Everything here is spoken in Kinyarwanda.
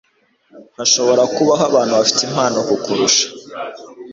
Hashobora kubaho abantu bafite impano kukurusha,